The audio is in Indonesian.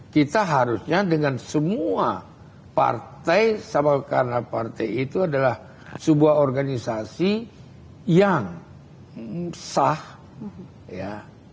kita harusnya dengan semua partai sama karena partai itu adalah sebuah organisasi yang sah ya